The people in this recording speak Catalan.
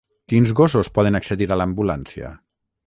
Quins gossos poden accedir a l'ambulància?